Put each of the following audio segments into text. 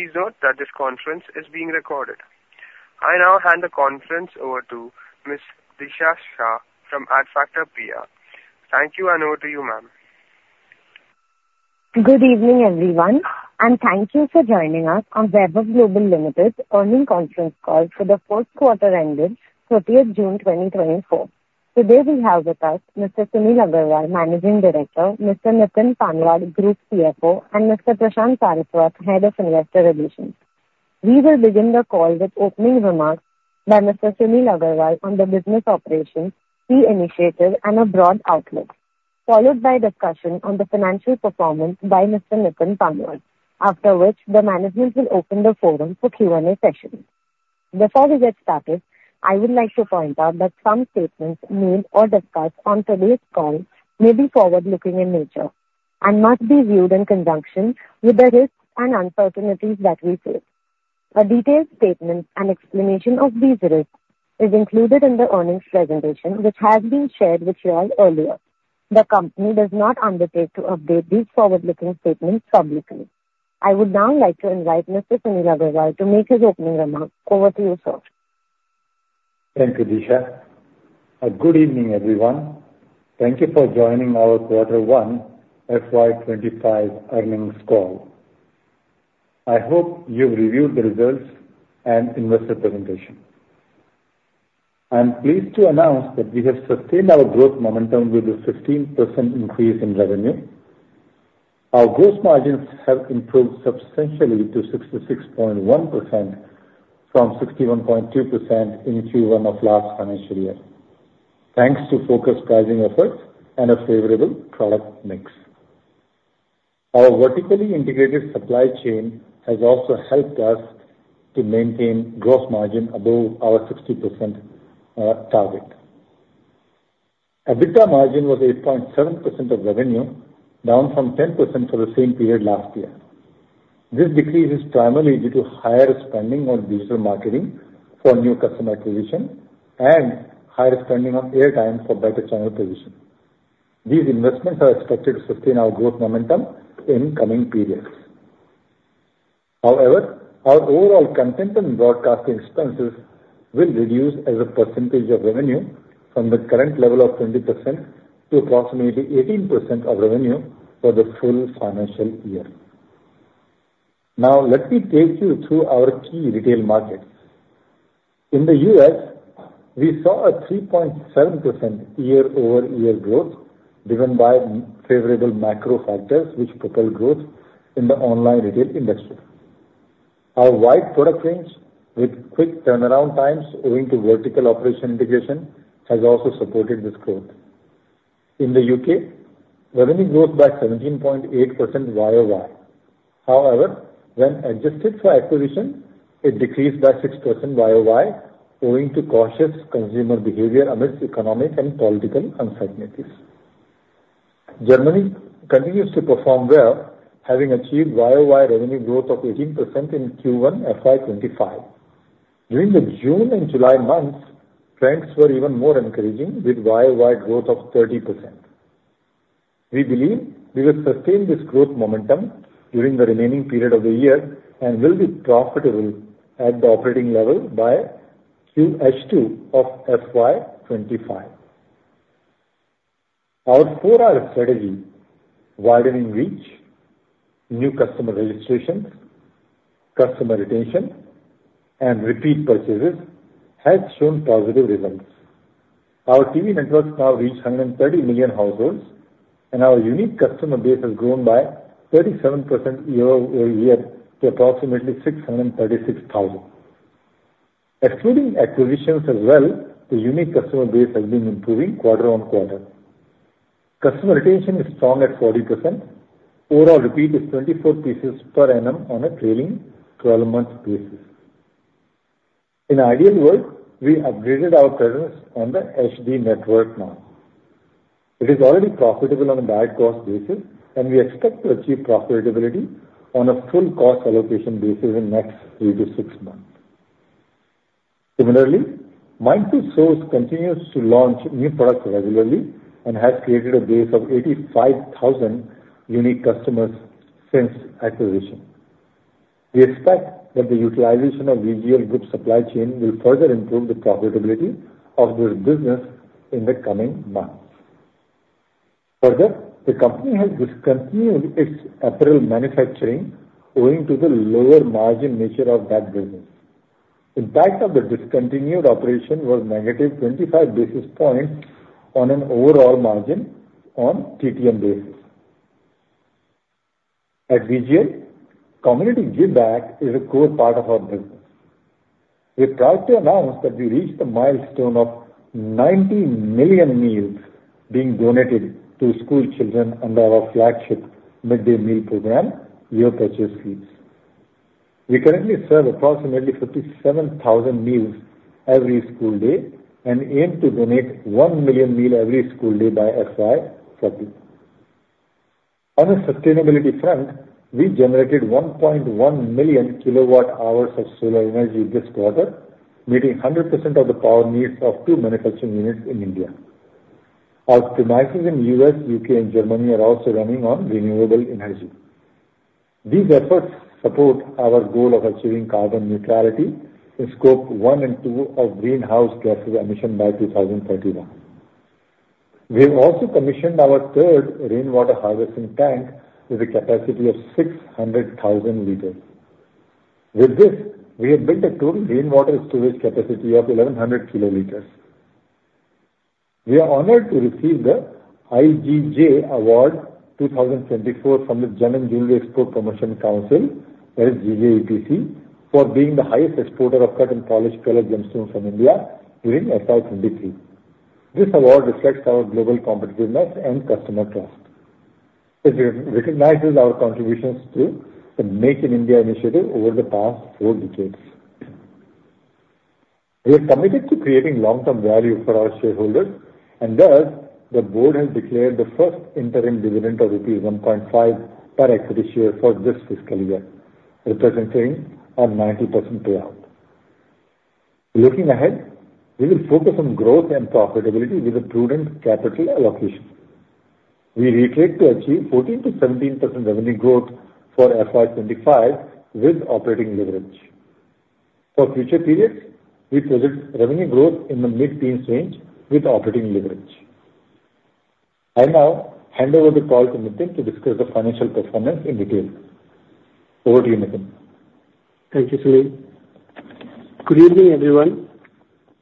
Please note that this conference is being recorded. I now hand the conference over to Ms. Disha Shah from Adfactors PR. Thank you, and over to you, ma'am. Good evening, everyone, and thank you for joining us on Vaibhav Global Limited Earnings Conference Call for the Q4 ended 30th June 2024. Today, we have with us Mr. Sunil Agrawal, Managing Director, Mr. Nitin Panwad, Group CFO, and Mr. Prashant Parakh, Head of Investor Relations. We will begin the call with opening remarks by Mr. Sunil Agrawal on the business operations, key initiatives, and a broad outlook, followed by discussion on the financial performance by Mr. Nitin Panwad, after which the management will open the forum for Q&A session. Before we get started, I would like to point out that some statements made or discussed on today's call may be forward-looking in nature and must be viewed in conjunction with the risks and uncertainties that we face. A detailed statement and explanation of these risks is included in the earnings presentation, which has been shared with you all earlier. The company does not undertake to update these forward-looking statements publicly. I would now like to invite Mr. Sunil Agrawal to make his opening remarks. Over to you, sir. Thank you, Disha. A good evening, everyone. Thank you for joining our Q1 FY 25 earnings call. I hope you've reviewed the results and investor presentation. I'm pleased to announce that we have sustained our growth momentum with a 15% increase in revenue. Our gross margins have improved substantially to 66.1% from 61.2% in Q1 of last financial year, thanks to focused pricing efforts and a favorable product mix. Our vertically integrated supply chain has also helped us to maintain gross margin above our 60% target. EBITDA margin was 8.7% of revenue, down from 10% for the same period last year. This decrease is primarily due to higher spending on digital marketing for new customer acquisition and higher spending on airtime for better channel position. These investments are expected to sustain our growth momentum in coming periods. However, our overall content and broadcasting expenses will reduce as a percentage of revenue from the current level of 20% to approximately 18% of revenue for the full financial year. Now, let me take you through our key retail markets. In the U.S., we saw a 3.7% year-over-year growth, driven by favorable macro factors, which propel growth in the online retail industry. Our wide product range with quick turnaround times, owing to vertical operation integration, has also supported this growth. In the UK, revenue growth by 17.8% YOY. However, when adjusted for acquisition, it decreased by 6% YOY, owing to cautious consumer behavior amidst economic and political uncertainties. Germany continues to perform well, having achieved YOY revenue growth of 18% in Q1 FY 2025. During the June and July months, trends were even more encouraging, with YOY growth of 30%. We believe we will sustain this growth momentum during the remaining period of the year and will be profitable at the operating level by H2 of FY 2025. Our 4R strategy: widening reach, new customer registrations, customer retention, and repeat purchases, has shown positive results. Our TV networks now reach 130 million households, and our unique customer base has grown by 37% year-over-year to approximately 636,000. Excluding acquisitions as well, the unique customer base has been improving quarter-over-quarter. Customer retention is strong at 40%. Overall repeat is 24 pieces per annum on a trailing twelve-month basis. In Ideal World, we upgraded our presence on the HD network now. It is already profitable on a direct cost basis, and we expect to achieve profitability on a full cost allocation basis in next 3-6 months. Similarly, Mindful Souls continues to launch new products regularly and has created a base of 85,000 unique customers since acquisition. We expect that the utilization of VGL Group supply chain will further improve the profitability of this business in the coming months. Further, the company has discontinued its apparel manufacturing, owing to the lower margin nature of that business. Impact of the discontinued operation was negative 25 basis points on an overall margin on TTM basis. At VGL, community giveback is a core part of our business. We're proud to announce that we reached a milestone of 90 million meals being donated to school children under our flagship midday meal program, Your Purchase Feeds. We currently serve approximately 57,000 meals every school day and aim to donate 1 million meals every school day by FY 2030. On the sustainability front, we generated 1.1 million kWh of solar energy this quarter, meeting 100% of the power needs of 2 manufacturing units in India. Our premises in U.S., UK, and Germany are also running on renewable energy. These efforts support our goal of achieving carbon neutrality in Scope 1 and 2 of greenhouse gas emission by 2031. We have also commissioned our third rainwater harvesting tank with a capacity of 600,000 liters. With this, we have built a total rainwater storage capacity of 1,100 kiloliters. We are honored to receive the IGJ Award 2024 from the Gem and Jewellery Export Promotion Council, that is GJEPC, for being the highest exporter of cut and polished colored gemstones from India during FY 2023. This award reflects our global competitiveness and customer trust. It recognizes our contributions to the Make in India initiative over the past four decades. We are committed to creating long-term value for our shareholders, and thus, the board has declared the first interim dividend of rupees 1.5 per equity share for this fiscal year, representing a 90% payout. Looking ahead, we will focus on growth and profitability with a prudent capital allocation. We reiterate to achieve 14%-17% revenue growth for FY 2025 with operating leverage. For future periods, we predict revenue growth in the mid-teens range with operating leverage. I now hand over the call to Nitin to discuss the financial performance in detail. Over to you, Nitin. Thank you, Sunil. Good evening, everyone.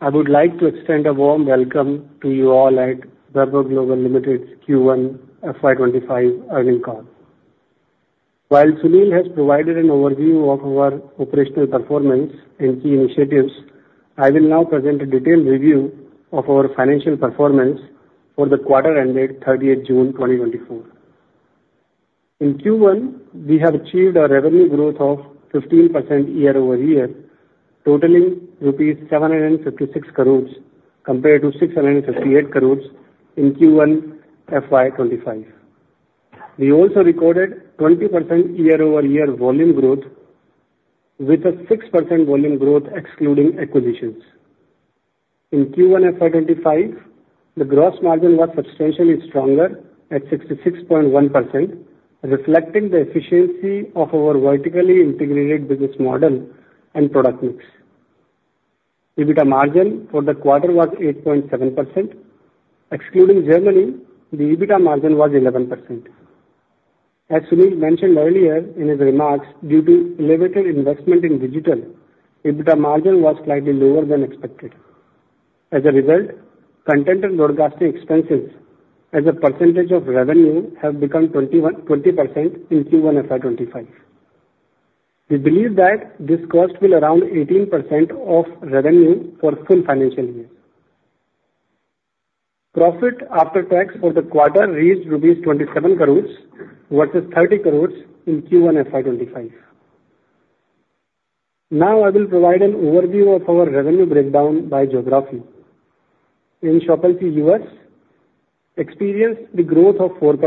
I would like to extend a warm welcome to you all at Vaibhav Global Limited's Q1 FY 2025 earnings call. While Sunil has provided an overview of our operational performance and key initiatives, I will now present a detailed review of our financial performance for the quarter ended thirtieth June, 2024. In Q1, we have achieved a revenue growth of 15% year-over-year, totaling rupees 756 crores compared to 658 crores in Q1 FY 2025. We also recorded 20% year-over-year volume growth, with a 6% volume growth excluding acquisitions. In Q1 FY 2025, the gross margin was substantially stronger at 66.1%, reflecting the efficiency of our vertically integrated business model and product mix. EBITDA margin for the quarter was 8.7%. Excluding Germany, the EBITDA margin was 11%. As Sunil mentioned earlier in his remarks, due to elevated investment in digital, EBITDA margin was slightly lower than expected. As a result, content and broadcasting expenses as a percentage of revenue have become 20% in Q1 FY 2025. We believe that this cost will around 18% of revenue for full financial year. Profit after tax for the quarter reached rupees 27 crore, versus 30 crore in Q1 FY 2025. Now I will provide an overview of our revenue breakdown by geography. In Shop LC, U.S. experienced the growth of 4%,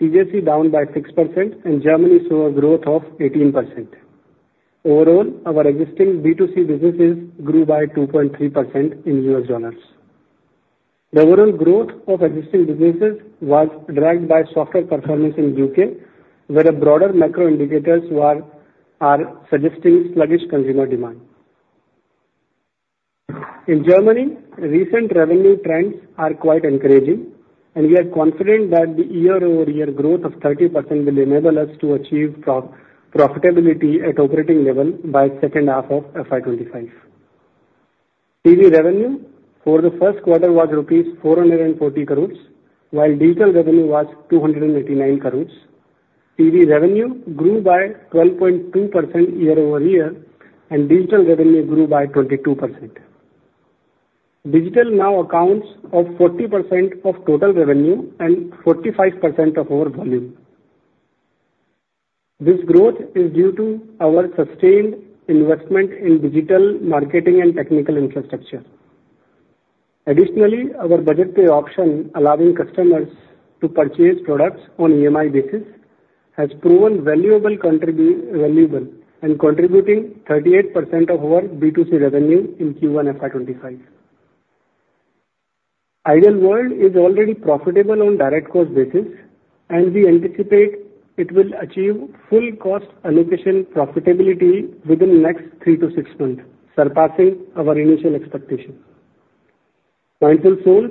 TJC down by 6%, and Germany saw a growth of 18%. Overall, our existing B2C businesses grew by 2.3% in U.S. dollars. Revenue growth of existing businesses was dragged by softer performance in UK, where the broader macro indicators are suggesting sluggish consumer demand. In Germany, recent revenue trends are quite encouraging, and we are confident that the year-over-year growth of 30% will enable us to achieve profitability at operating level by second half of FY 2025. TV revenue for the Q1 was INR 440 crores, while digital revenue was INR 289 crores. TV revenue grew by 12.2% year-over-year, and digital revenue grew by 22%. Digital now accounts for 40% of total revenue and 45% of our volume. This growth is due to our sustained investment in digital marketing and technical infrastructure. Additionally, our BudgetPay option, allowing customers to purchase products on EMI basis, has proven valuable and contributing 38% of our B2C revenue in Q1 FY 2025. Ideal World is already profitable on direct cost basis, and we anticipate it will achieve full cost allocation profitability within the next 3-6 months, surpassing our initial expectations. Mindful Souls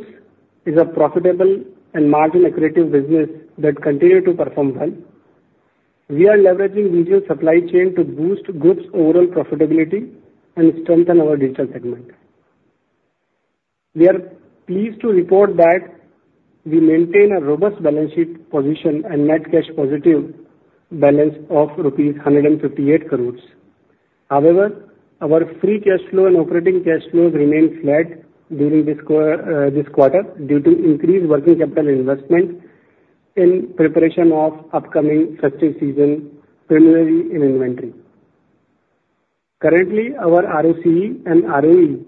is a profitable and margin-accretive business that continued to perform well. We are leveraging digital supply chain to boost group's overall profitability and strengthen our digital segment. We are pleased to report that we maintain a robust balance sheet position and net cash positive balance of rupees 158 crore. However, our free cash flow and operating cash flows remained flat during this quarter due to increased working capital investment in preparation of upcoming festival season, primarily in inventory. Currently, our ROCE and ROE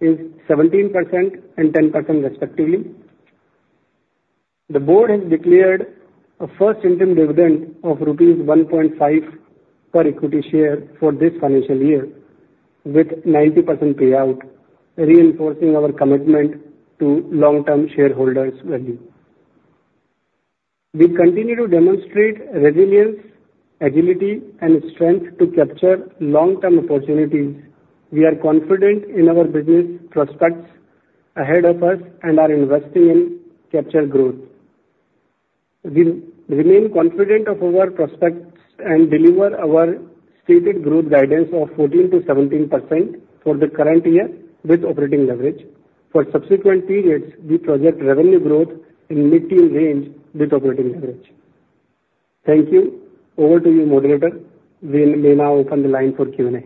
is 17% and 10% respectively. The board has declared a first interim dividend of rupees 1.5 per equity share for this financial year, with 90% payout, reinforcing our commitment to long-term shareholder value. We continue to demonstrate resilience, agility, and strength to capture long-term opportunities. We are confident in our business prospects ahead of us and are investing in capture growth. We remain confident of our prospects and deliver our stated growth guidance of 14%-17% for the current year with operating leverage. For subsequent periods, we project revenue growth in mid-teen range with operating leverage. Thank you. Over to you, moderator. We will now open the line for Q&A.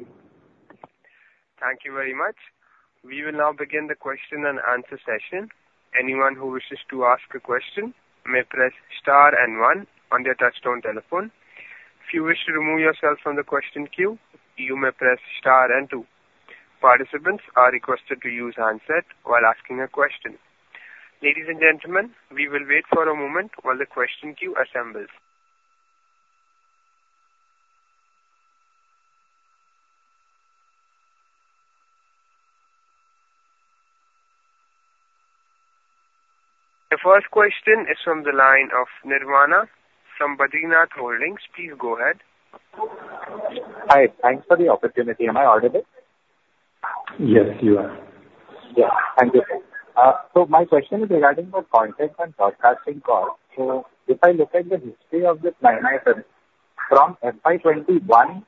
Thank you very much. We will now begin the question and answer session. Anyone who wishes to ask a question may press star and 1 on their touchtone telephone. If you wish to remove yourself from the question queue, you may press star and 2. Participants are requested to use handset while asking a question. Ladies and gentlemen, we will wait for a moment while the question queue assembles. The first question is from the line of Nirvana from Badrinath Holdings. Please go ahead. Hi, thanks for the opportunity. Am I audible? Yes, you are. Yeah. Thank you, sir. So my question is regarding the content and broadcasting cost. So if I look at the history of this line item, from FY 2021,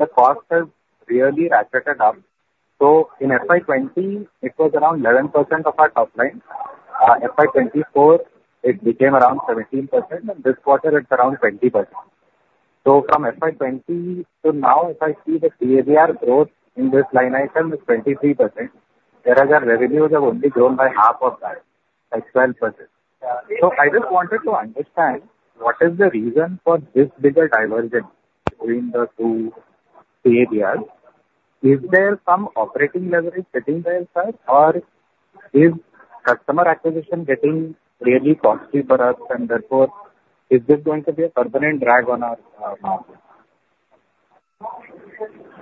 the cost has really ratcheted up. So in FY 2020, it was around 11% of our top line. FY 2024, it became around 17%, and this quarter it's around 20%. So from FY 2020 to now, if I see the CAGR growth in this line item is 23%, whereas our revenues have only grown by half of that, like, 12%. So I just wanted to understand, what is the reason for this bigger diversion between the two CAGRs? Is there some operating leverage sitting there, sir, or is customer acquisition getting really costly for us, and therefore, is this going to be a permanent drag on our margins?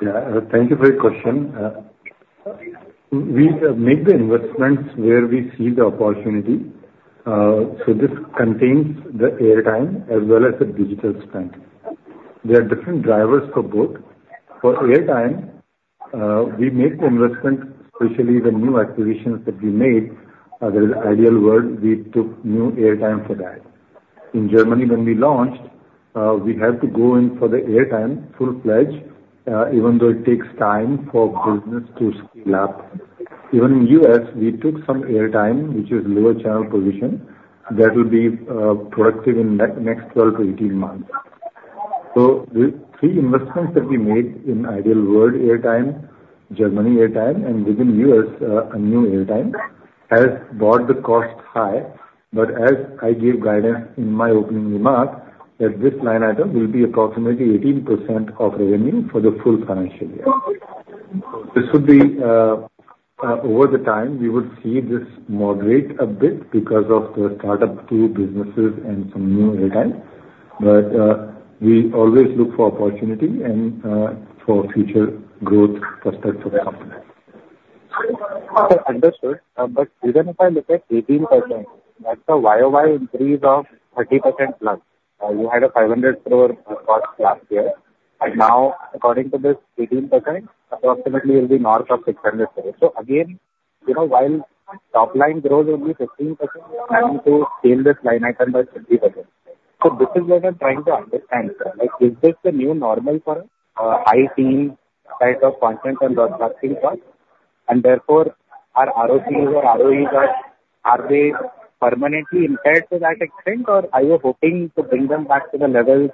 Yeah, thank you for your question. We make the investments where we see the opportunity, so this contains the airtime as well as the digital spend. There are different drivers for both. For airtime, we make the investment, especially the new acquisitions that we made. There is Ideal World, we took new airtime for that. In Germany, when we launched, we had to go in for the airtime, full-fledged, even though it takes time for business to scale up. Even in the U.S., we took some airtime, which is lower channel position. That will be productive in the next 12-18 months. So the three investments that we made in Ideal World airtime, Germany airtime, and within U.S., a new airtime, has brought the cost high, but as I gave guidance in my opening remarks, that this line item will be approximately 18% of revenue for the full financial year. This would be, over the time, we would see this moderate a bit because of the start-up two businesses and some new airtime. But, we always look for opportunity and, for future growth prospects of the company. Understood. But even if I look at 18%, that's a YOY increase of 30% plus. You had a 500 crore cost last year, and now according to this 18%, approximately it will be north of 600 crore. So again, you know, while top line growth is only 15%, planning to scale this line item by 50%. So this is what I'm trying to understand, sir. Like, is this the new normal for high-teen type of content and broadcasting cost? And therefore, our ROC or ROE, are they permanently impaired to that extent, or are you hoping to bring them back to the level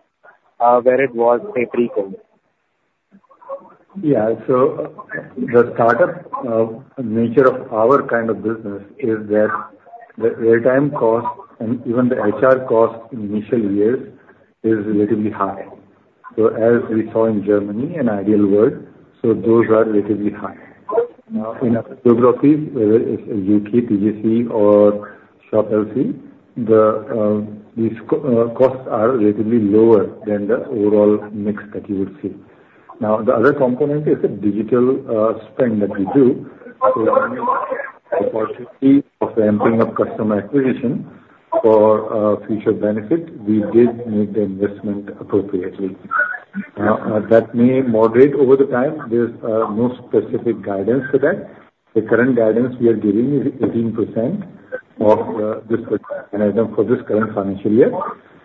where it was, say, pre-COVID? Yeah. So the start-up nature of our kind of business is that the airtime cost and even the HR cost in initial years is relatively high. So as we saw in Germany and Ideal World, so those are relatively high. Now, in other geographies, whether it's UK, TJC or Shop LC, the these costs are relatively lower than the overall mix that you would see. Now, the other component is the digital spend that we do. So of ramping up customer acquisition for future benefit, we did make the investment appropriately. That may moderate over the time. There's no specific guidance for that. The current guidance we are giving is 18% of this item for this current financial year,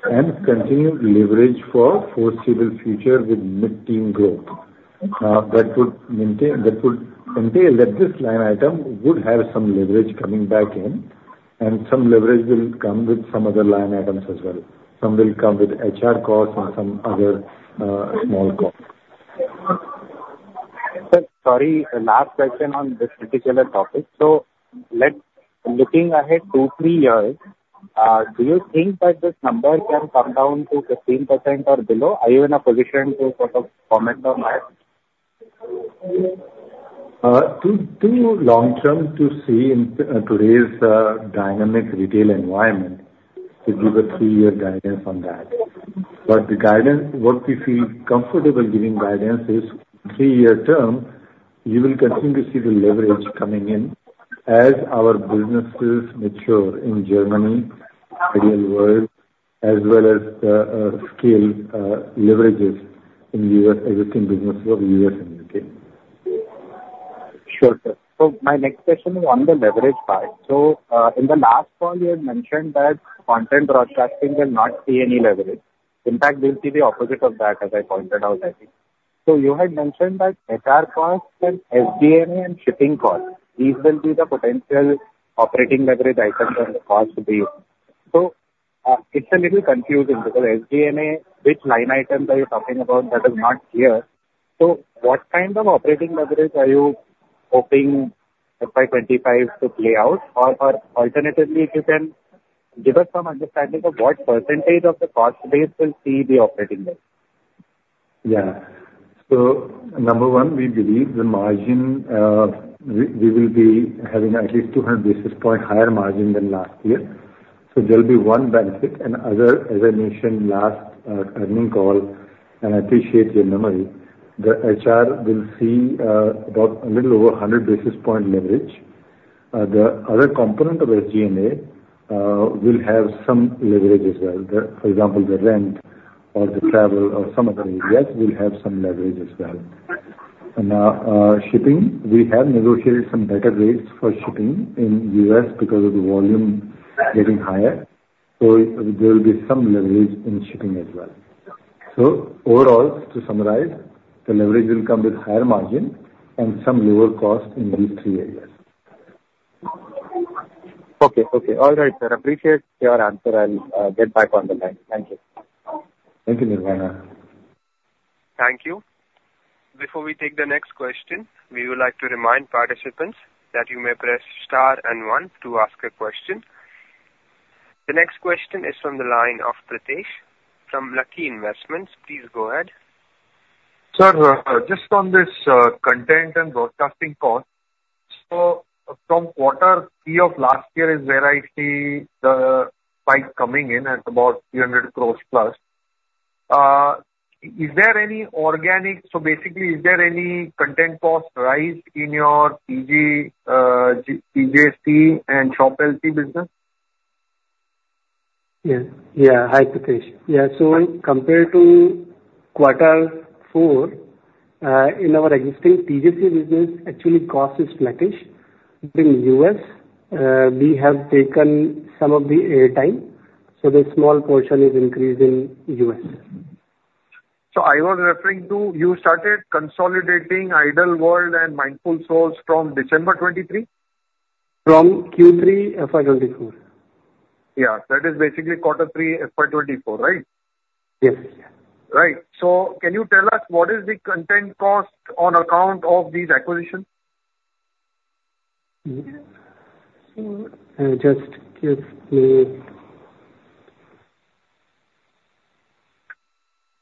and continued leverage for foreseeable future with mid-teen growth. That would maintain, that would entail that this line item would have some leverage coming back in, and some leverage will come with some other line items as well. Some will come with HR costs and some other, small costs. Sir, sorry, last question on this particular topic. So let's... Looking ahead 2-3 years, do you think that this number can come down to 15% or below? Are you in a position to sort of comment on that? It's too long term to see in today's dynamic retail environment to give a three-year guidance on that. But the guidance what we feel comfortable giving is three-year term, you will continue to see the leverage coming in as our businesses mature in Germany, Ideal World, as well as the scale leverages in U.S., existing business of U.S. and UK. Sure, sir. So my next question is on the leverage part. So, in the last call, you had mentioned that content broadcasting will not see any leverage. In fact, we'll see the opposite of that, as I pointed out, I think. So you had mentioned that HR costs and SG&A and shipping costs, these will be the potential operating leverage items on the cost base. So, it's a little confusing because SG&A, which line item are you talking about? That is not clear. So what kind of operating leverage are you hoping FY 2025 to play out? Or, or alternatively, if you can give us some understanding of what percentage of the cost base will see the operating base. Yeah. So number one, we believe the margin, we will be having at least 200 basis point higher margin than last year, so there will be one benefit. And other, as I mentioned last earnings call, and I appreciate your memory, the HR will see about a little over 100 basis point leverage. The other component of SG&A will have some leverage as well. For example, the rent or the travel or some other areas will have some leverage as well. And shipping, we have negotiated some better rates for shipping in U.S. because of the volume getting higher, so there will be some leverage in shipping as well. So overall, to summarize, the leverage will come with higher margin and some lower cost in these three areas. Okay. Okay. All right, sir, appreciate your answer. I'll get back on the line. Thank you. Thank you, Nirvana. Thank you. Before we take the next question, we would like to remind participants that you may press star and 1 to ask a question. The next question is from the line of Pritesh from Lucky Investments. Please go ahead. Sir, just on this, content and broadcasting cost, so from Q3 of last year is where I see the spike coming in at about 300 crore+. Is there any organic... So basically, is there any content cost rise in your TJ, TJC SD and Shop LC business? Yeah. Yeah. Hi, Pritesh. Yeah, so compared to Q4, in our existing TJC business, actually cost is flattish. In U.S., we have taken some of the airtime, so the small portion is increased in U.S. I was referring to, you started consolidating Ideal World and Mindful Souls from December 2023? From Q3, FY 2024. Yeah, that is basically Q3, FY 2024, right? Yes. Right. So can you tell us what is the content cost on account of these acquisitions? Just give me-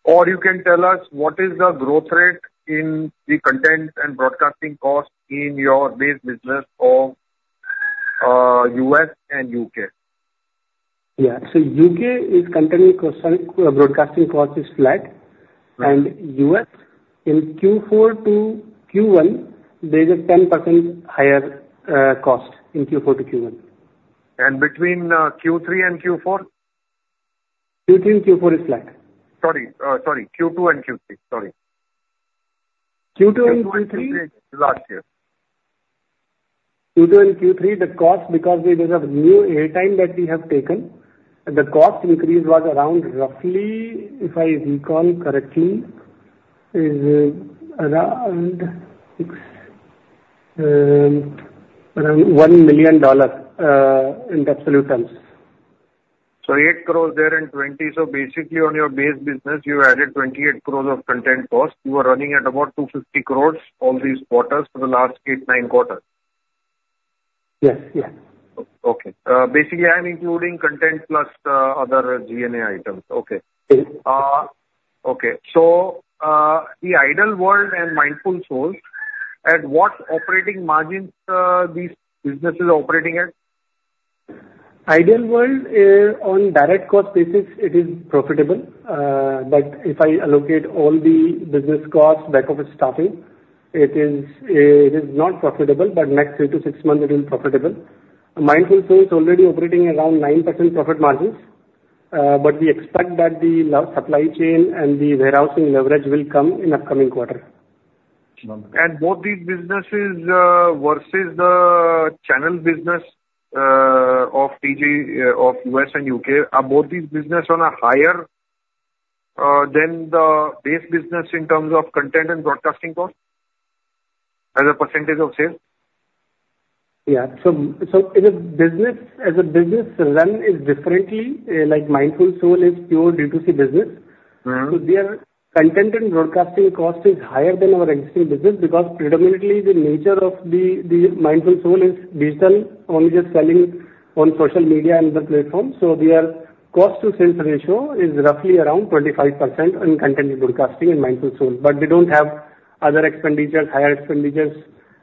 Or you can tell us what is the growth rate in the content and broadcasting costs in your base business for U.S. and UK? Yeah. So UK is containing cost, broadcasting cost is flat. Right. U.S., in Q4 to Q1, there is a 10% higher cost in Q4 to Q1. Between Q3 and Q4? Q3 and Q4 is flat. Sorry, sorry, Q2 and Q3. Sorry. Q2 and Q3? Q2 and Q3 last year. Q2 and Q3, the cost, because there is a new airtime that we have taken, the cost increase was around roughly, if I recall correctly, is around 6, around $1 million, in absolute terms. Eight crores there and twenty. Basically on your base business, you added twenty-eight crores of content cost. You were running at about two fifty crores all these quarters for the last eight, nine quarters. Yes. Yeah. Okay. Basically, I'm including content plus, other GNA items. Okay. Yes. Okay. So, the Ideal World and Mindful Souls, at what operating margins these businesses operating at? Ideal World, on direct cost basis, it is profitable. But if I allocate all the business costs back office staffing, it is, it is not profitable, but next three to six months, it is profitable. Mindful Soul is already operating around 9% profit margins, but we expect that the supply chain and the warehousing leverage will come in upcoming quarter. Both these businesses versus the channel business of TG of U.S. and UK are both these business on a higher than the base business in terms of content and broadcasting costs as a percentage of sales? Yeah. So, as a business run is differently, like Mindful Soul is pure D2C business. Mm-hmm. So their content and broadcasting cost is higher than our existing business because predominantly the nature of the Mindful Soul is digital, only just selling on social media and the platform. So their cost to sales ratio is roughly around 25% on content broadcasting in Mindful Soul, but we don't have other expenditures, higher expenditures,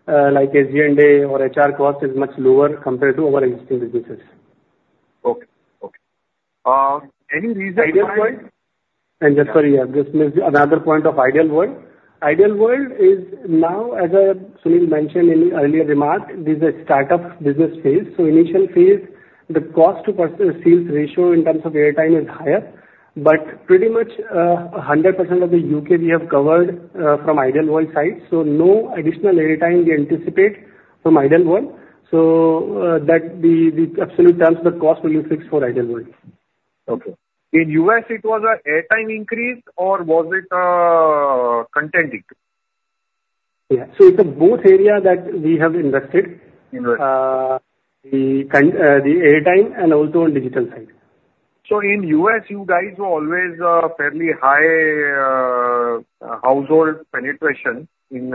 like SG&A or HR cost is much lower compared to our existing businesses. Okay. Okay. Any reason why- And just sorry, yeah, just maybe another point of Ideal World. Ideal World is now, as Sunil mentioned in the earlier remarks, this is a startup business phase. So initial phase, the cost to customer sales ratio in terms of airtime is higher, but pretty much 100% of the UK we have covered from Ideal World side, so no additional airtime we anticipate from Ideal World. So that the absolute terms, the cost will be fixed for Ideal World. Okay. In U.S., it was an airtime increase or was it, content increase? Yeah. It's a both area that we have invested. Invested. The airtime and also on digital side. So in U.S., you guys were always fairly high household penetration in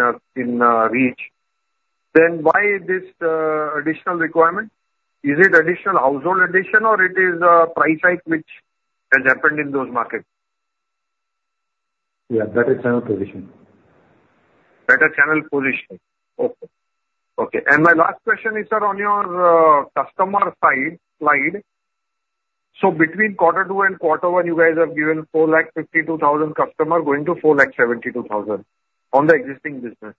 reach. Then why this additional requirement? Is it additional household addition or it is price hike which has happened in those markets? Yeah, better channel position. Better channel position. Okay. Okay, and my last question is, sir, on your customer side slide. So between Q2 and Q1, you guys have given 452,000 customer going to 472,000 on the existing business.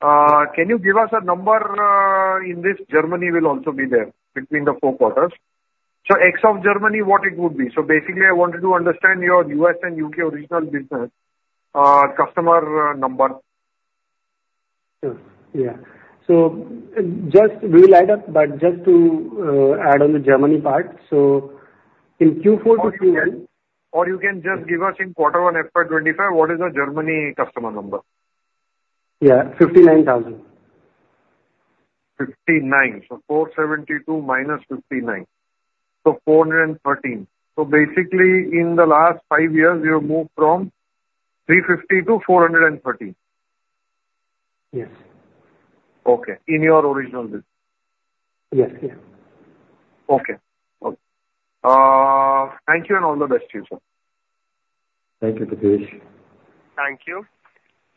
Can you give us a number, in this, Germany will also be there between the four quarters? So ex of Germany, what it would be? So basically, I wanted to understand your U.S. and UK original business, customer number. Sure. Yeah. So just we'll add up, but just to, add on the Germany part, so in Q4 to Q1 Or you can just give us in Q1, FY 2025, what is the Germany customer number? Yeah, 59 thousand. 59. So 472 minus 59, so 413. So basically, in the last five years, you have moved from 350 to 413? Yes. Okay. In your original business? Yes. Yeah. Okay. Okay. Thank you, and all the best to you, sir. Thank you, Pritesh. Thank you.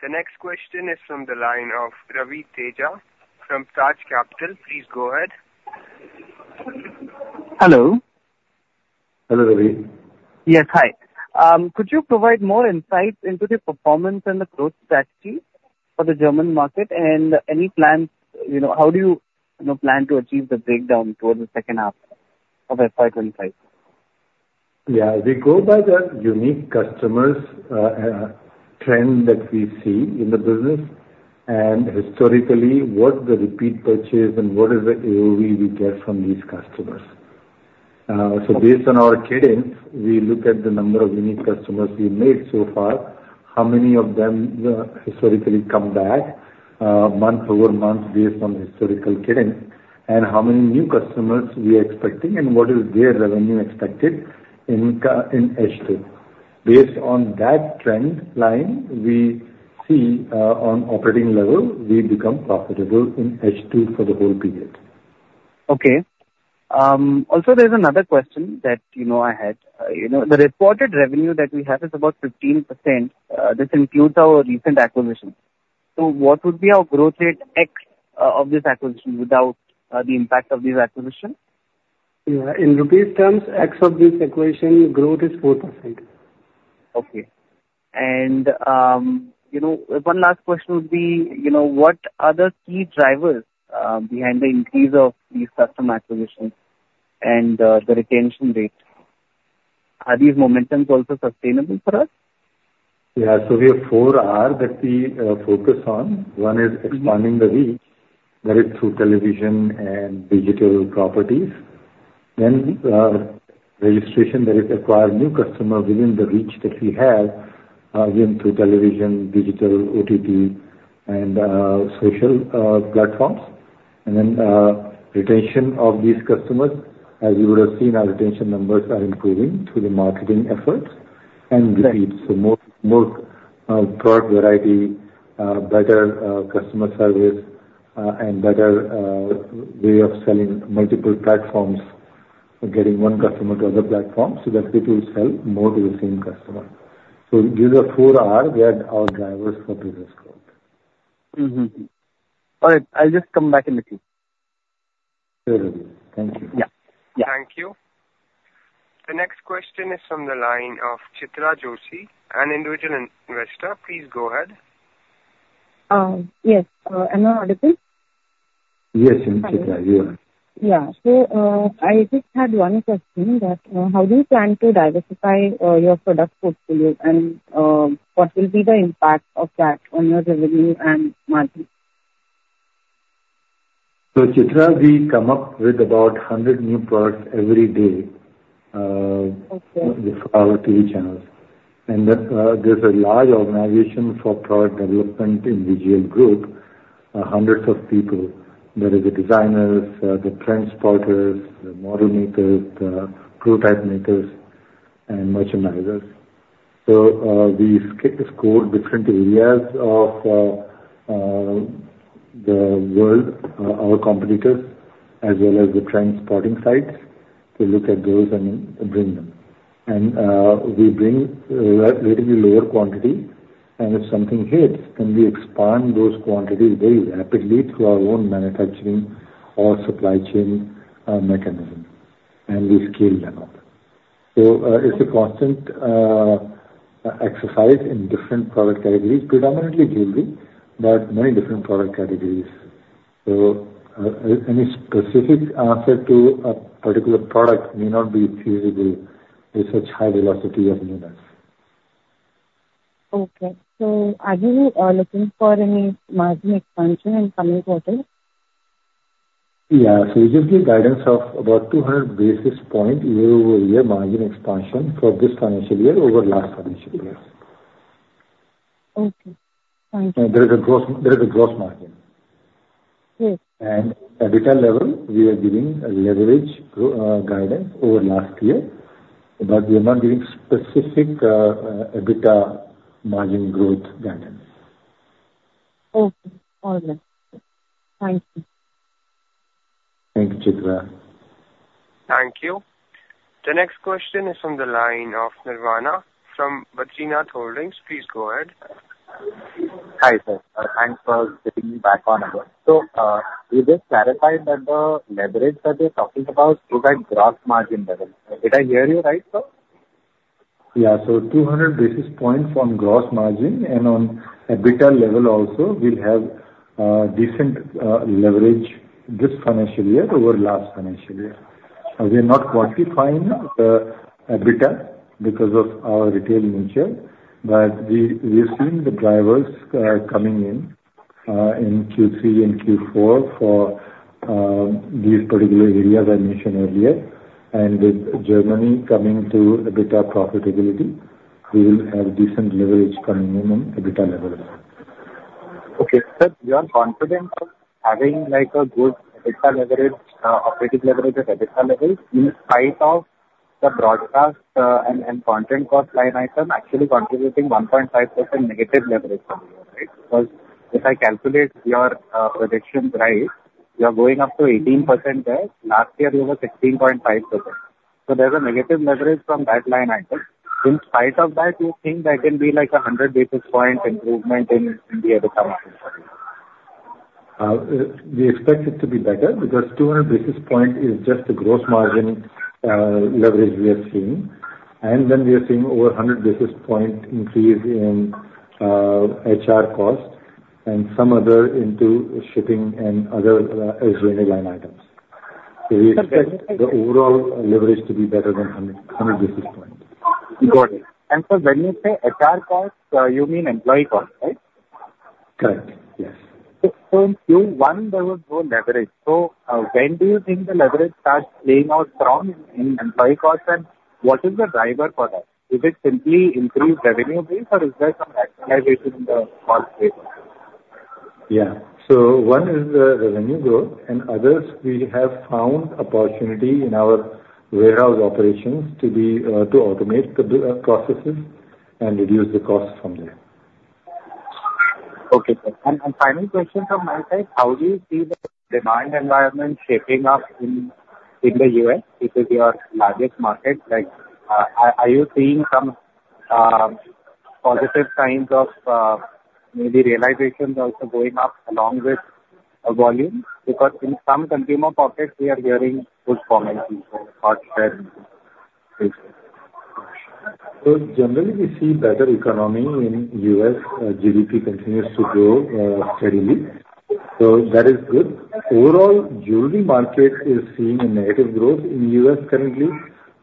The next question is from the line of Ravi Teja from Taj Capital. Please go ahead. Hello. Hello, Ravi. Yes, hi. Could you provide more insight into the performance and the growth strategy for the German market? Any plans, you know, how do you, you know, plan to achieve the breakdown towards the second half of FY 2025? Yeah, we go by the unique customers, trend that we see in the business, and historically, what the repeat purchase and what is the AOV we get from these customers. So based on our cadence, we look at the number of unique customers we made so far, how many of them, historically come back, month-over-month based on historical cadence, and how many new customers we are expecting, and what is their revenue expected in H2. Based on that trend line, we see, on operating level, we become profitable in H2 for the whole period. Okay. Also, there's another question that, you know, I had. You know, the reported revenue that we have is about 15%, this includes our recent acquisition. So what would be our growth rate ex of this acquisition without the impact of this acquisition? Yeah, in rupees terms, ex of this acquisition, growth is 4%. Okay. You know, one last question would be, you know, what are the key drivers behind the increase of these customer acquisitions and the retention rate? Are these momentums also sustainable for us? Yeah, so we have four R that we focus on. Mm-hmm. One is expanding the reach, whether it's through television and digital properties. Then, registration, that is, acquire new customers within the reach that we have, again, through television, digital, OTT and, social, platforms. And then, retention of these customers. As you would have seen, our retention numbers are improving through the marketing efforts. Right. Repeat sales, so more product variety, better customer service, and better way of selling multiple platforms, getting one customer to other platforms, so that it will sell more to the same customer. So these are our four Rs, our drivers for business growth. Mm-hmm. All right, I'll just come back in the queue. Sure, Ravi. Thank you. Yeah. Yeah. Thank you. The next question is from the line of Chitra Joshi, an individual investor. Please go ahead. Yes. Am I audible? Yes, Chitra. You are. Yeah. So, I just had one question that, how do you plan to diversify your product portfolio and, what will be the impact of that on your revenue and margin? Chitra, we come up with about 100 new products every day. Okay. For our TV channels. And there's a large organization for product development in VGL Group, hundreds of people, whether the designers, the trend spotters, the moderators, the prototype makers and merchandisers. So, we score different areas of the world, our competitors, as well as the trend spotting sites, to look at those and bring them... and we bring relatively lower quantity, and if something hits, then we expand those quantities very rapidly through our own manufacturing or supply chain mechanism, and we scale them up. So, it's a constant exercise in different product categories, predominantly jewelry, but many different product categories. So, any specific answer to a particular product may not be feasible with such high velocity of newness. Okay. So are you looking for any margin expansion in coming quarter? Yeah. So we gave the guidance of about 200 basis point year-over-year margin expansion for this financial year over last financial year. Okay. Thank you. There is a gross margin. Yes. EBITDA level, we are giving a leverage growth guidance over last year, but we are not giving specific EBITDA margin growth guidance. Okay, all right. Thank you. Thank you, Chitra. Thank you. The next question is from the line of Nirvana from Badrinath Holdings. Please go ahead. Hi, sir. Thanks for getting me back on board. So, you just clarified that the leverage that you're talking about is at gross margin level. Did I hear you right, sir? Yeah. So 200 basis points on gross margin and on EBITDA level also, we'll have decent leverage this financial year over last financial year. We are not quantifying the EBITDA because of our retail nature, but we are seeing the drivers coming in in Q3 and Q4 for these particular areas I mentioned earlier. And with Germany coming to EBITDA profitability, we will have decent leverage coming in on EBITDA level. Okay, sir, you are confident of having, like, a good EBITDA leverage, operating leverage at EBITDA level, in spite of the broadcast and content cost line item actually contributing 1.5% negative leverage for you, right? Because if I calculate your predictions right, you are going up to 18% there. Last year you were 16.5%. So there's a negative leverage from that line item. In spite of that, you think there can be, like, a 100 basis point improvement in the EBITDA margin for you? We expect it to be better because 200 basis points is just the gross margin leverage we are seeing. Then we are seeing over 100 basis points increase in HR costs and some other into shipping and other revenue line items. Okay. We expect the overall leverage to be better than 100, 100 basis points. Got it. And so when you say HR costs, you mean employee costs, right? Correct, yes. So in Q1, there was no leverage. So, when do you think the leverage starts playing out strong in employee costs, and what is the driver for that? Is it simply increased revenue base or is there some optimization in the cost base? Yeah. One is the revenue growth, and others, we have found opportunity in our warehouse operations to be to automate the processes and reduce the costs from there. Okay, sir. And final question from my side, how do you see the demand environment shaping up in the U.S.? It is your largest market. Like, are you seeing some positive signs of maybe realizations also going up along with volume? Because in some consumer pockets, we are hearing good volume, hardship. So generally, we see better economy in U.S. GDP continues to grow steadily, so that is good. Overall, jewelry market is seeing a negative growth in U.S. currently,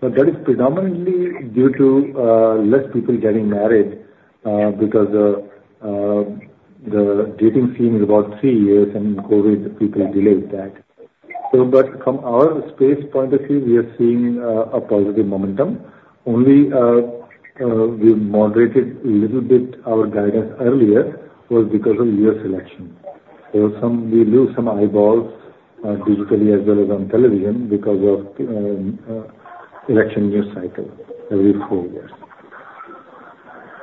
but that is predominantly due to less people getting married because the dating scene is about three years, and COVID, the people delayed that. So but from our space point of view, we are seeing a positive momentum. Only, we moderated a little bit our guidance earlier was because of U.S. election. So we lose some eyeballs digitally as well as on television because of election news cycle every four years.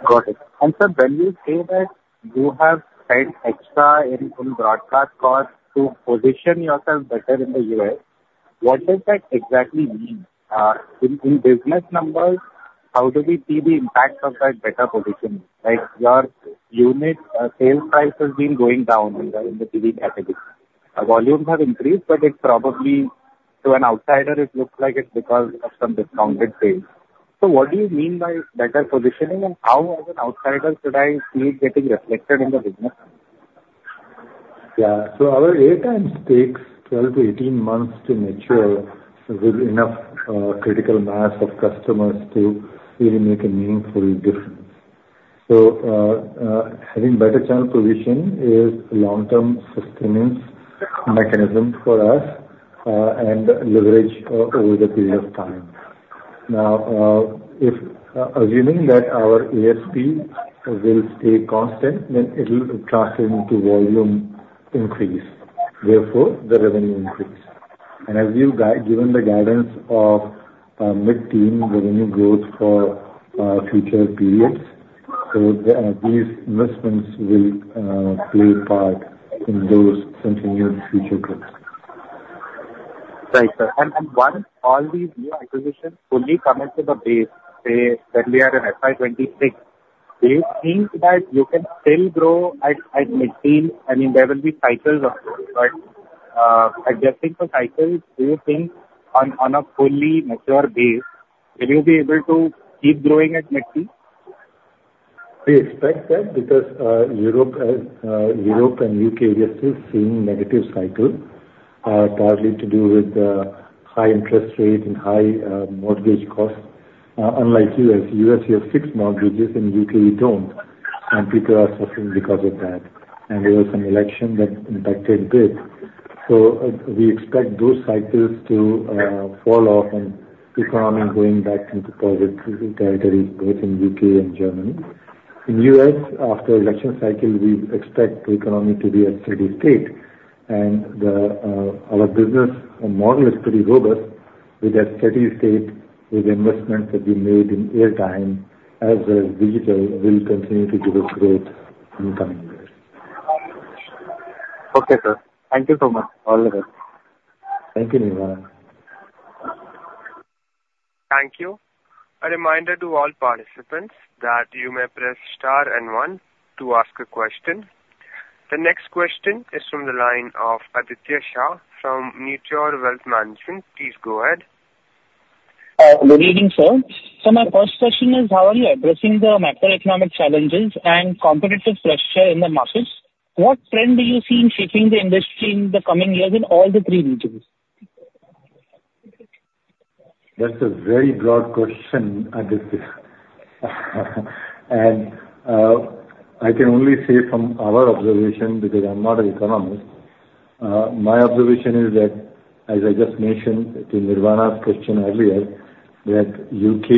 Got it. And sir, when you say that you have spent extra in on broadcast costs to position yourself better in the U.S., what does that exactly mean? In business numbers, how do we see the impact of that better positioning? Like, your unit sales price has been going down in the TV category. Volumes have increased, but it's probably... To an outsider, it looks like it's because of some discounted sales. So what do you mean by better positioning, and how, as an outsider, should I see it getting reflected in the business? Yeah. So our airtimes takes 12-18 months to mature with enough critical mass of customers to really make a meaningful difference. So having better channel position is long-term sustenance mechanism for us and leverage over the period of time. Now if assuming that our ASP will stay constant, then it'll translate into volume increase, therefore the revenue increase. And as we've given the guidance of mid-teen revenue growth for future periods, so these investments will play a part in those continued future growth.... Right, sir. And once all these new acquisitions fully come into the base, say, when we are in FY 2026, do you think that you can still grow at mid-teen? I mean, there will be cycles also, but adjusting for cycles, do you think on a fully mature base, will you be able to keep growing at mid-teen? We expect that because, Europe, Europe and UK we are still seeing negative cycle, partly to do with the high interest rate and high mortgage costs. Unlike U.S., U.S. we have fixed mortgages, in UK, we don't, and people are suffering because of that. And there was some election that impacted this. So we expect those cycles to fall off and economy going back into positive territory, both in UK and Germany. In U.S., after election cycle, we expect the economy to be at steady state. And the our business model is pretty robust. With that steady state, the investments that we made in airtime, as well as digital, will continue to do us great in coming years. Okay, sir. Thank you so much. All the best. Thank you, Nirvana. Thank you. A reminder to all participants that you may press star and one to ask a question. The next question is from the line of Aditya Shah from Meteor Wealth Management. Please go ahead. Good evening, sir. So my first question is, how are you addressing the macroeconomic challenges and competitive pressure in the markets? What trend do you see in shaping the industry in the coming years in all the three regions? That's a very broad question, Aditya. And, I can only say from our observation, because I'm not an economist. My observation is that, as I just mentioned in Nirvana's question earlier, that UK,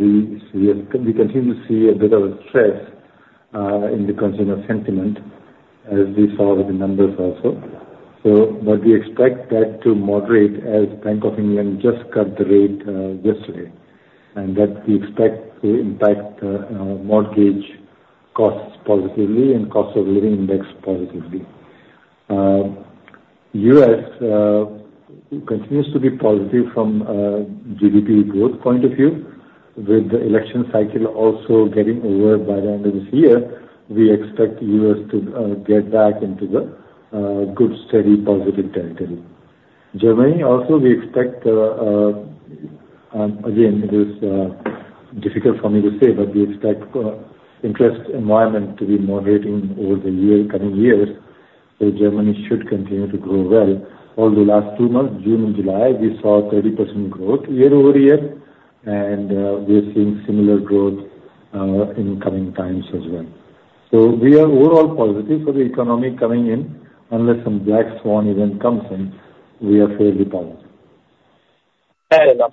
we continue to see a bit of a stress, in the consumer sentiment, as we saw with the numbers also. So, but we expect that to moderate, as Bank of England just cut the rate, yesterday, and that we expect to impact, mortgage costs positively and cost of living index positively. U.S., continues to be positive from, GDP growth point of view, with the election cycle also getting over by the end of this year, we expect U.S. to, get back into the, good, steady, positive territory. Germany, also, we expect... Again, it is difficult for me to say, but we expect interest environment to be moderating over the year, coming years. So Germany should continue to grow well. Although last two months, June and July, we saw 30% growth year-over-year, and we are seeing similar growth in coming times as well. So we are overall positive for the economy coming in, unless some black swan event comes in, we are fairly positive. Fair enough.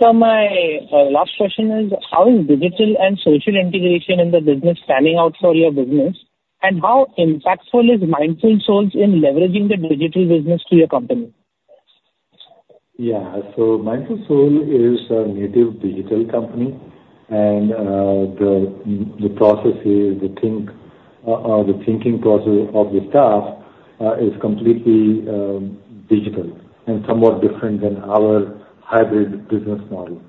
So my last question is: How is digital and social integration in the business panning out for your business? And how impactful is Mindful Souls in leveraging the digital business to your company? Yeah. So Mindful Soul is a native digital company, and the processes, the thinking process of the staff is completely digital and somewhat different than our hybrid business model.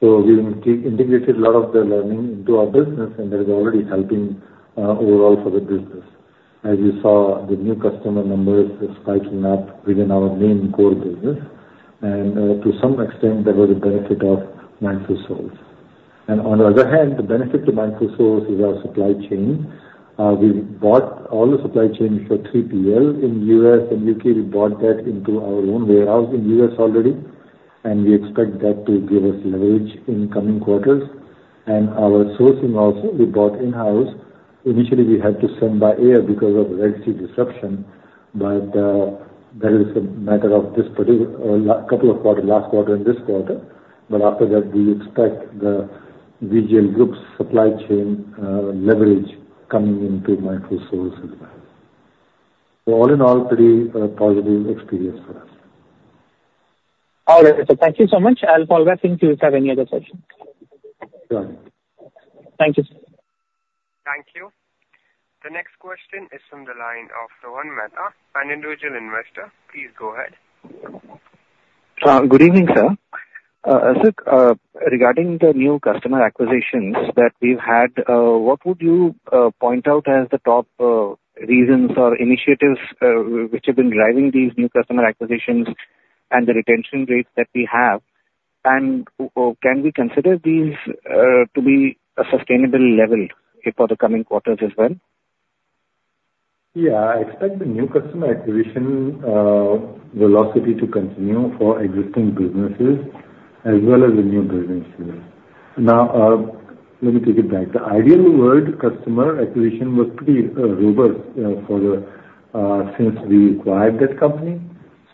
So we integrated a lot of the learning into our business, and that is already helping overall for the business. As you saw, the new customer numbers are spiking up within our main core business. And to some extent, that was a benefit of Mindful Souls. And on the other hand, the benefit to Mindful Souls is our supply chain. We bought all the supply chains for PL in U.S. and UK We bought that into our own warehouse in U.S. already, and we expect that to give us leverage in coming quarters. And our sourcing also, we bought in-house. Initially, we had to send by air because of Red Sea disruption, but that is a matter of this particular last quarter and this quarter. But after that, we expect the VGL Group's supply chain leverage coming into Mindful Souls as well. So all in all, pretty positive experience for us. All right, sir. Thank you so much. I'll follow up if you have any other questions. Sure. Thank you, sir. Thank you. The next question is from the line of Rohan Mehta, an individual investor. Please go ahead. Good evening, sir. So, regarding the new customer acquisitions that we've had, what would you point out as the top reasons or initiatives which have been driving these new customer acquisitions and the retention rates that we have? And can we consider these to be a sustainable level for the coming quarters as well? Yeah, I expect the new customer acquisition velocity to continue for existing businesses as well as the new businesses. Now, let me take it back. The Ideal World customer acquisition was pretty robust since we acquired that company.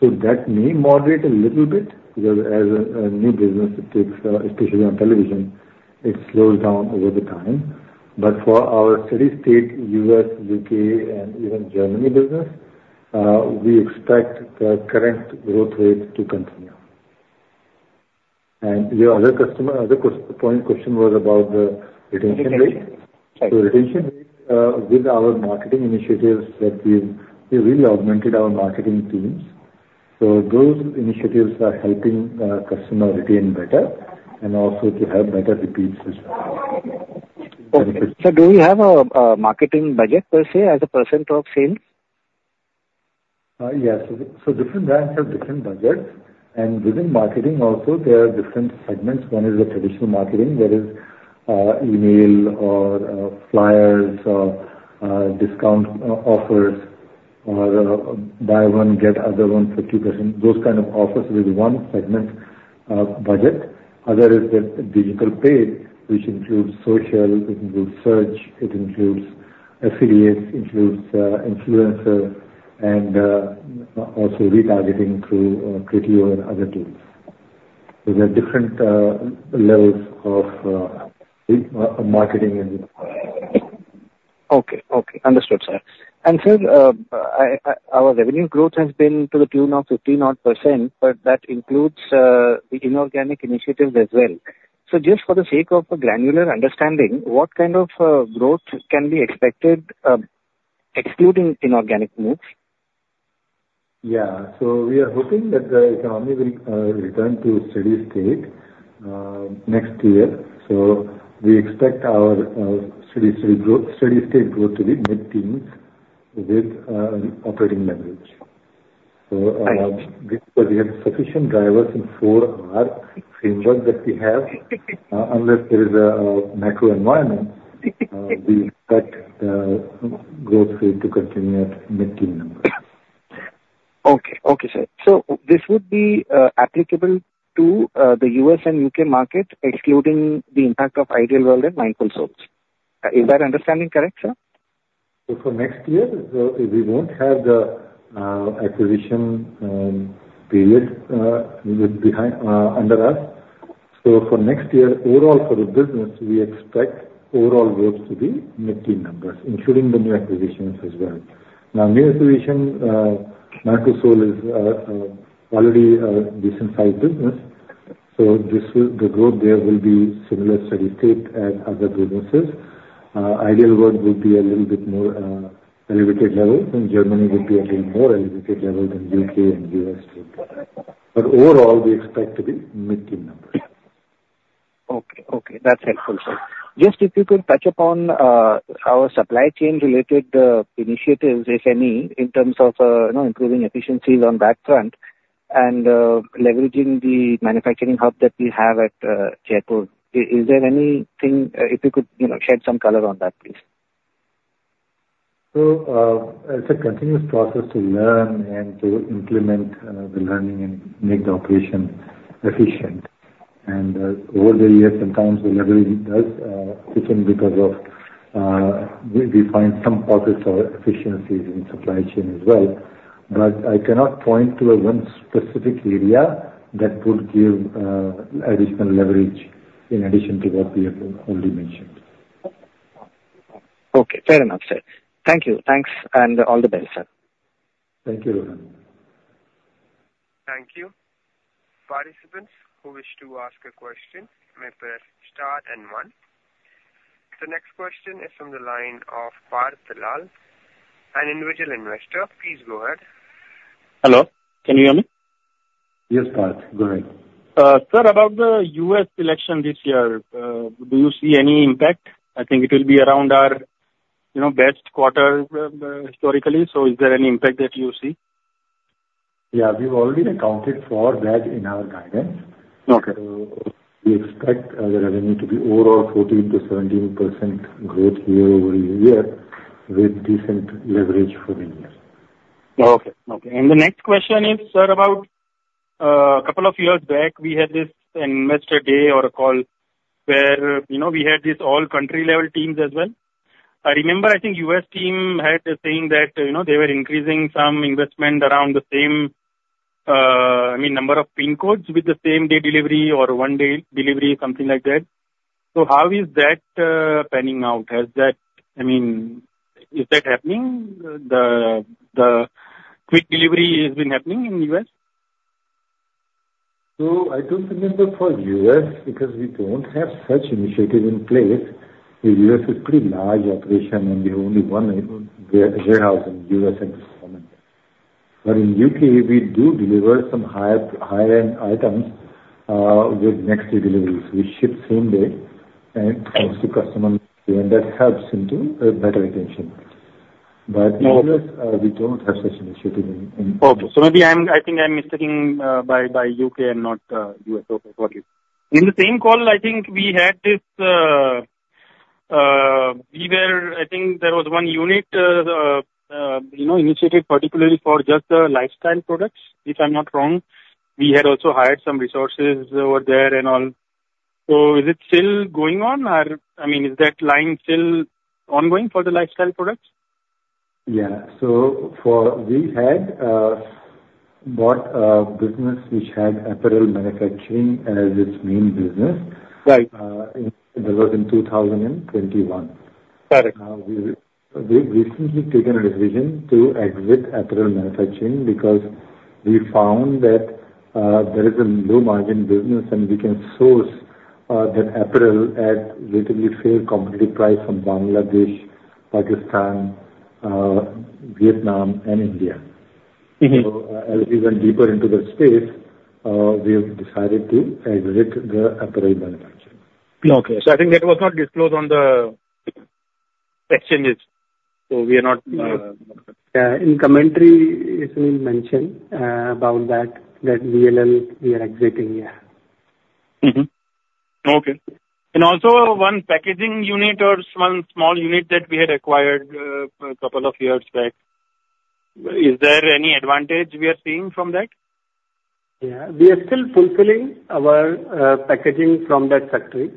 So that may moderate a little bit, because as a new business, it takes especially on television, it slows down over the time. But for our steady state, U.S., UK, and even Germany business, we expect the current growth rate to continue.... And your other customer point question was about the retention rate? Retention So retention rate with our marketing initiatives that we really augmented our marketing teams. So those initiatives are helping customer retain better and also to have better repeats as well. Okay. Do we have a marketing budget, per se, as a % of sales? Yes. So different brands have different budgets, and within marketing also there are different segments. One is the traditional marketing, which is email or flyers or discount offers, or buy one, get other one for 2%. Those kind of offers will be one segment of budget. Other is the digital paid, which includes social, it includes search, it includes affiliates, includes influencer, and also retargeting through Criteo and other tools. There are different levels of marketing and Okay. Okay, understood, sir. And sir, I our revenue growth has been to the tune of 50-odd%, but that includes the inorganic initiatives as well. So just for the sake of a granular understanding, what kind of growth can be expected, excluding inorganic moves? Yeah. So we are hoping that the economy will return to steady state next year. So we expect our steady state growth to be mid-teens with operating leverage. Right. So, because we have sufficient drivers in four R framework that we have, unless there is a macro environment, we expect growth rate to continue at mid-teen numbers. Okay. Okay, sir. So this would be applicable to the U.S. and UK markets, excluding the impact of Ideal World and Mindful Souls. Is that understanding correct, sir? So for next year, we won't have the acquisition period behind... under us. So for next year, overall for the business, we expect overall growth to be mid-teen numbers, including the new acquisitions as well. Now, new acquisition, Mindful Souls is already a decent-sized business, so this will... The growth there will be similar steady state as other businesses. Ideal World will be a little bit more elevated level, and Germany will be a little more elevated level than UK and U.S. But overall, we expect to be mid-teen numbers. Okay. Okay, that's helpful, sir. Just if you could touch upon our supply chain related initiatives, if any, in terms of you know, improving efficiencies on that front and leveraging the manufacturing hub that we have at Jaipur. Is there anything if you could you know, shed some color on that, please? It's a continuous process to learn and to implement the learning and make the operation efficient. Over the years, sometimes the leverage does loosen because we find some pockets of efficiencies in supply chain as well. I cannot point to one specific area that would give additional leverage in addition to what we have already mentioned. Okay, fair enough, sir. Thank you. Thanks, and all the best, sir. Thank you. Thank you. Participants who wish to ask a question may press star and one. The next question is from the line of Parth Lal, an individual investor. Please go ahead. Hello, can you hear me? Yes, Parth. Go ahead. Sir, about the U.S. election this year, do you see any impact? I think it will be around our, you know, best quarter, historically. So is there any impact that you see? Yeah, we've already accounted for that in our guidance. Okay. So we expect our revenue to be overall 14%-17% growth year-over-year, with decent leverage for the year. Okay. Okay, and the next question is, sir, about a couple of years back, we had this investor day or call where, you know, we had these all country level teams as well. I remember, I think U.S. team had a saying that, you know, they were increasing some investment around the same, I mean, number of PIN codes with the same day delivery or one day delivery, something like that. So how is that panning out? Has that, I mean, is that happening? The quick delivery has been happening in the U.S.? I don't remember for U.S., because we don't have such initiative in place. The U.S. is pretty large operation, and we have only one warehouse in U.S. at the moment. But in UK, we do deliver some high, high-end items with next day deliveries. We ship same day and to customer, and that helps into better retention. Okay. But in U.S., we don't have such initiative in Okay. So maybe I'm, I think I'm mistaking, by, by UK and not, U.S. Okay, got it. In the same call, I think we had this, I think there was one unit, you know, initiative, particularly for just the lifestyle products, if I'm not wrong. We had also hired some resources over there and all. So is it still going on? Or, I mean, is that line still ongoing for the lifestyle products? Yeah. So we had bought a business which had apparel manufacturing as its main business. Right. that was in 2021. We've recently taken a decision to exit apparel manufacturing because we found that there is a low margin business, and we can source that apparel at relatively fair competitive price from Bangladesh, Pakistan, Vietnam, and India. Mm-hmm. As we went deeper into the space, we have decided to exit the apparel manufacturing. Okay. So I think that was not disclosed on the exchanges, so we are not. Yeah, in commentary, it's been mentioned about that, that VGL we are exiting, yeah. Mm-hmm. Okay. And also one packaging unit or one small unit that we had acquired, a couple of years back, is there any advantage we are seeing from that? Yeah. We are still fulfilling our packaging from that factory,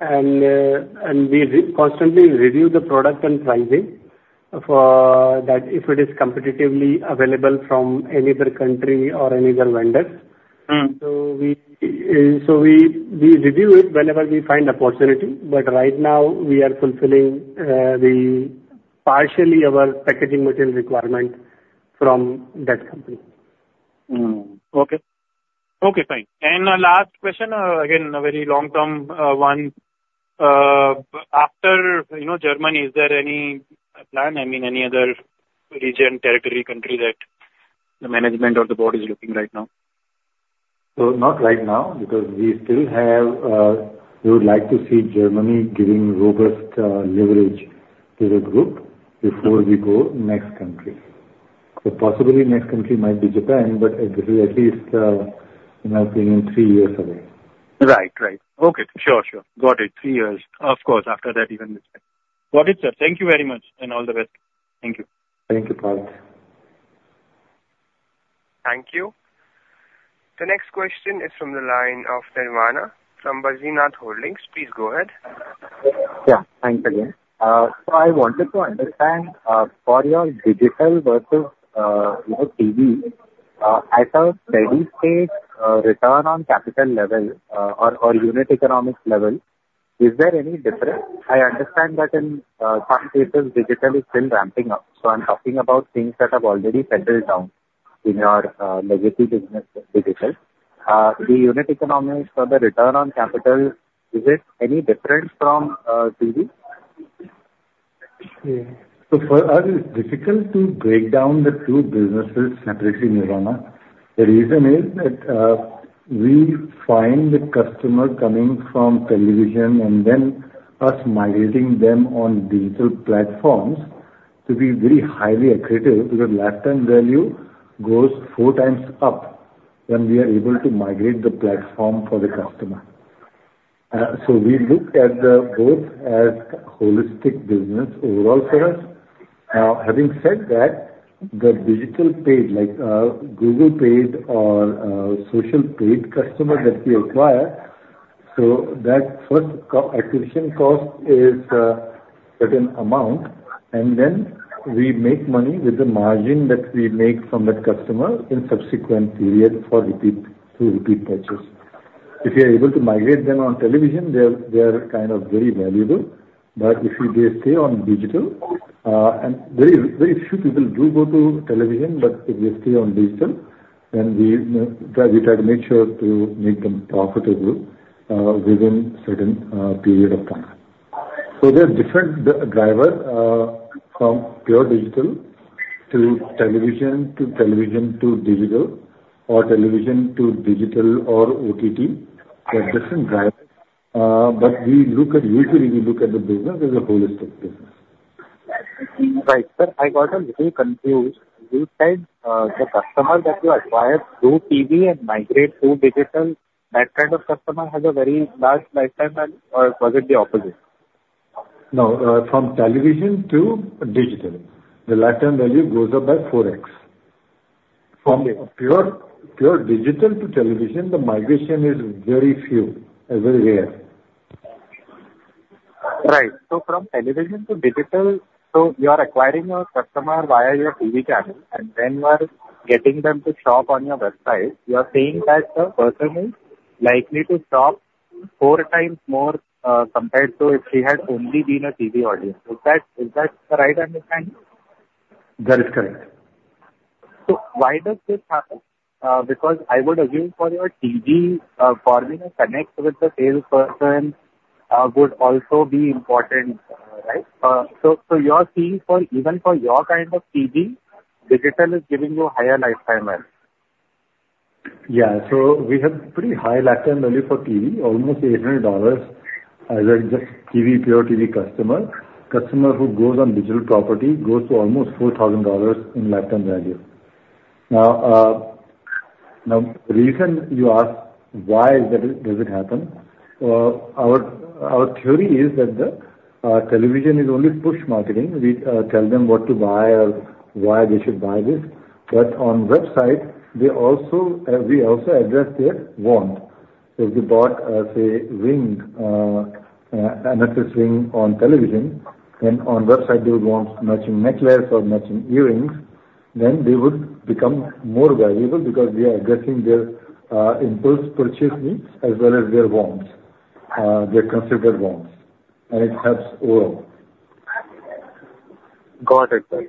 and we constantly review the product and pricing for that if it is competitively available from any other country or any other vendor. Mm. So we review it whenever we find opportunity, but right now we are fulfilling partially our packaging material requirement from that company. Okay. Okay, fine. And the last question, again, a very long-term one. After, you know, Germany, is there any plan, I mean, any other region, territory, country that the management or the board is looking right now? So not right now, because we still have, we would like to see Germany giving robust leverage to the group before we go next country. So possibly next country might be Japan, but it is at least, in my opinion, three years away. Right. Right. Okay, sure, sure. Got it. 3 years. Of course, after that, even... Got it, sir. Thank you very much, and all the best. Thank you. Thank you, Parth. Thank you. The next question is from the line of Nirvana from Badrinath Holdings. Please go ahead. Yeah, thanks again. So I wanted to understand, for your digital versus your TV, at a steady state, return on capital level, or unit economic level, is there any difference? I understand that in some cases, digital is still ramping up, so I'm talking about things that have already settled down in your legacy business, digital. The unit economics for the return on capital, is it any different from TV? Yeah. So for us, it's difficult to break down the two businesses separately, Nirvana. The reason is that, we find the customer coming from television and then us migrating them on digital platforms to be very highly accretive, because lifetime value goes four times up when we are able to migrate the platform for the customer. So we look at the both as holistic business overall for us. Having said that, the digital paid, like, Google-paid or social-paid customer that we acquire, so that first customer acquisition cost is certain amount, and then we make money with the margin that we make from that customer in subsequent period for repeat, through repeat purchase. If you are able to migrate them on television, they are kind of very valuable. But if they stay on digital, and very, very few people do go to television, but if they stay on digital, then we try to make sure to make them profitable within certain period of time. So there are different drivers from pure digital to television, to television to digital, or television to digital or OTT. They're different drivers, but we usually look at the business as a holistic business. Right. Sir, I got a little confused. You said, the customer that you acquired through TV and migrate to digital, that kind of customer has a very large lifetime value or was it the opposite? No. From television to digital, the lifetime value goes up by 4x. Okay. From pure, pure digital to television, the migration is very few every year. Right. So from television to digital, so you are acquiring a customer via your TV channel, and then you are getting them to shop on your website. You are saying that the person is likely to shop four times more, compared to if he had only been a TV audience. Is that, is that the right understanding? That is correct. So why does this happen? Because I would assume for your TV, forming a connect with the salesperson, would also be important, right? So you are seeing even for your kind of TV, digital is giving you higher lifetime value. Yeah. So we have pretty high lifetime value for TV, almost $800, as in just TV, pure TV customer. Customer who goes on digital property goes to almost $4,000 in lifetime value. Now, the reason you ask why that it, does it happen, our theory is that the television is only push marketing. We tell them what to buy or why they should buy this. But on website, we also address their want. If they bought, say, ring, a necklace ring on television, then on website they would want matching necklace or matching earrings. Then they would become more valuable because we are addressing their impulse purchase needs as well as their wants, their considered wants, and it helps overall. Got it, sir. So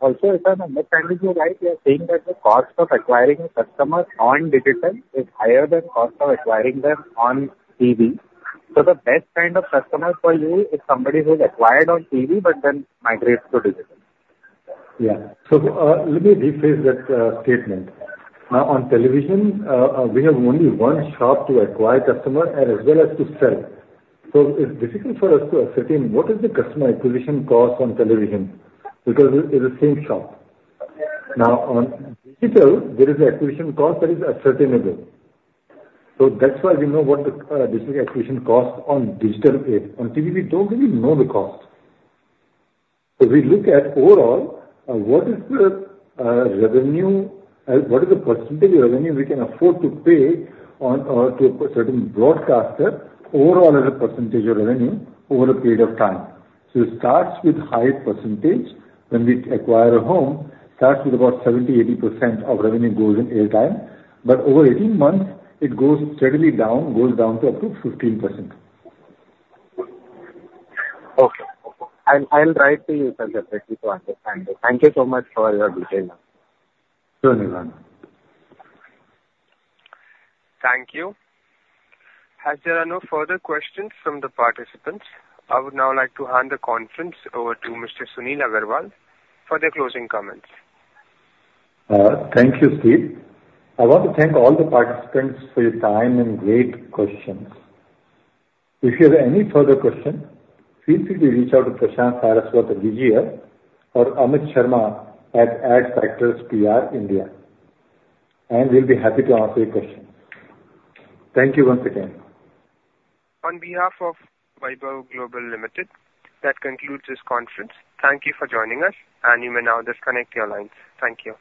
also, if I'm understanding you right, you're saying that the cost of acquiring a customer on digital is higher than cost of acquiring them on TV, so the best kind of customer for you is somebody who is acquired on TV but then migrates to digital? Yeah. So, let me rephrase that statement. On television, we have only one shop to acquire customer and as well as to sell. So it's difficult for us to ascertain what is the customer acquisition cost on television, because it, it's the same shop. Now, on digital, there is an acquisition cost that is ascertainable, so that's why we know what the digital acquisition cost on digital is. On TV, we don't really know the cost. If we look at overall, what is the revenue and what is the percentage of revenue we can afford to pay on to a certain broadcaster overall as a percentage of revenue over a period of time. So it starts with high percentage when we acquire a home. Starts with about 70%-80% of revenue goes in airtime, but over 18 months it goes steadily down, goes down to up to 15%. Okay. I'll write to you, sir, just to understand. Thank you so much for your detail. Sure, Nirvana. Thank you. As there are no further questions from the participants, I would now like to hand the conference over to Mr. Sunil Agrawal for the closing comments. Thank you, Steve. I want to thank all the participants for your time and great questions. If you have any further question, feel free to reach out to Prashant Saraswat at CDR or Amit Sharma at Adfactors PR India, and we'll be happy to answer your question. Thank you once again. On behalf of Vaibhav Global Limited, that concludes this conference. Thank you for joining us, and you may now disconnect your lines. Thank you.